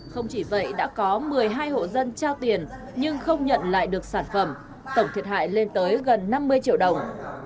không chỉ vậy đã có một mươi hai hộ dân trao tiền nhưng không nhận lại được sản phẩm tổng thiệt hại lên tới gần năm mươi triệu đồng